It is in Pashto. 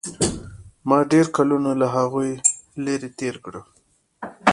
ما ډېر کلونه له هغوى لرې تېر کړي وو.